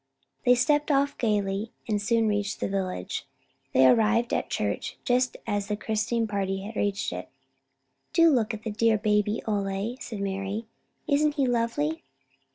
They stepped off gaily, and soon reached the village. They arrived at the church just as the christening party reached it. "Do look at the dear baby, Ole," said Mari. "Isn't he lovely?"